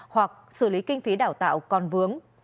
hoặc xử lý kinh phí đào tạo còn vướng